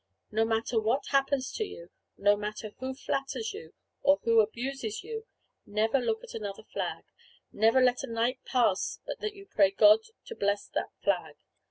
No matter what happens to you, no matter who flatters you or who abuses you, never look at another flag, never let a night pass but you pray God to bless that flag.